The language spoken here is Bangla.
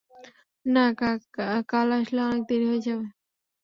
না, কাল আসলে অনেক দেরি হয়ে যাবে।